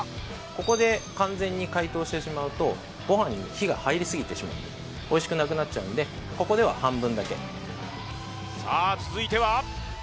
ここで完全に解凍してしまうとご飯に火が入りすぎてしまうおいしくなくなっちゃうのでここでは半分だけさあ続いては？